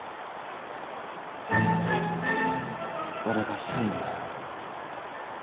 俺が専務？